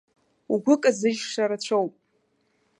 Угәы казыжьша рацәоуп.